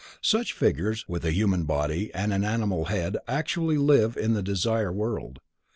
Such figures with a human body and an animal head actually live in the desire world.